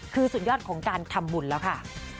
คือสุดยอดของการทำบุญแล้วค่ะ